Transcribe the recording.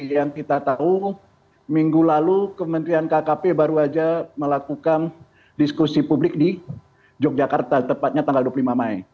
yang kita tahu minggu lalu kementerian kkp baru saja melakukan diskusi publik di yogyakarta tepatnya tanggal dua puluh lima mei